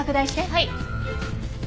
はい。